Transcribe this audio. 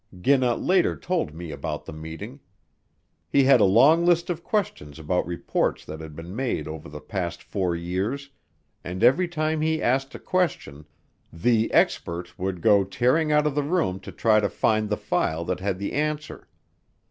Ginna later told me about the meeting. He had a long list of questions about reports that had been made over the past four years and every time he asked a question, the "expert" would go tearing out of the room to try to find the file that had the answer.